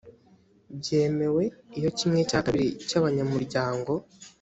byemewe iyo kimwe cya kabiri cy abanyamuryango